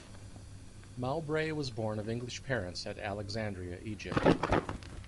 Mowbray was born of English parents at Alexandria, Egypt.